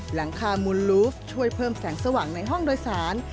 หลังคามุนลูฟช่วยเพิ่มแสงสว่างในห้องโดยสาร